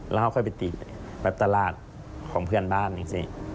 แล้วเค้าค่อยไปตีตลาดของเพื่อนบ้านจริง